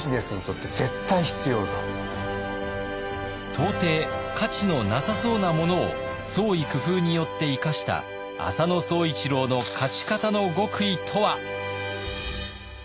到底価値のなさそうなものを創意工夫によって生かした浅野総一郎の勝ち方の極意とは？